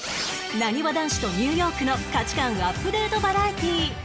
なにわ男子とニューヨークの価値観アップデートバラエティー